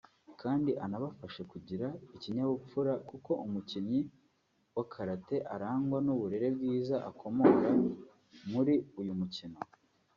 kandi anabafashe kugira ikinyabupfura kuko umukinnyi wa Karate arangwa n’uburere bwiza akomora muri uyu mukino